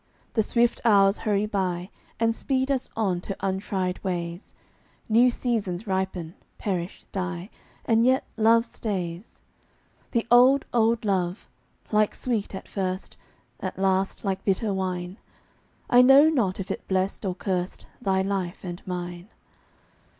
The swift hours hurry by And speed us on to untried ways; New seasons ripen, perish, die, And yet love stays. The old, old love like sweet, at first, At last like bitter wine I know not if it blest or curst Thy life and mine.